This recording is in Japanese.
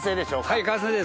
はい完成です！